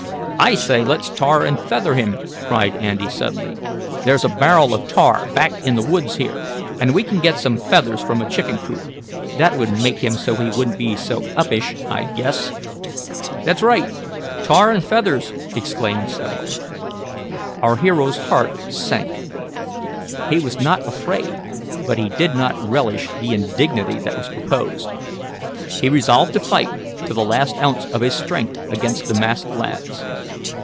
"I say let's tar and feather him!" cried Andy suddenly. "There's a barrel of tar back in the woods here, and we can get some feathers from a chicken coop. That would make him so he wouldn't be so uppish, I guess!" "That's right! Tar and feathers!" exclaimed several. Our hero's heart sank. He was not afraid, but he did not relish the indignity that was proposed. He resolved to fight to the last ounce of his strength against the masked lads.